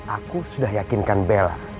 aku sudah yakinkan bella